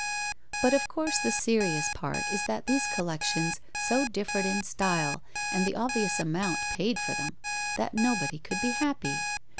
But of course the serious part is that these collections so differed in style and the obvious amount paid for them that nobody could be happy.